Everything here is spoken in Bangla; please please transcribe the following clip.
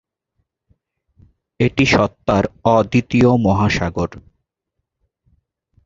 এটি সত্তার অদ্বিতীয় মহাসাগর।